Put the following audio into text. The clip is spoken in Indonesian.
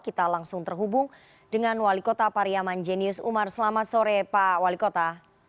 kita langsung terhubung dengan wali kota pariyaman jenius umar selamat sore pak wali kota